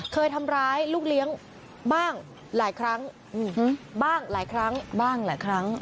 เคยทำร้ายลูกเลี้ยงบ้างหลายครั้งบ้างหลายครั้งบ้างหลายครั้ง